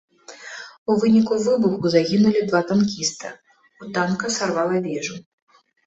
У выніку выбуху загінулі два танкіста, у танка сарвала вежу.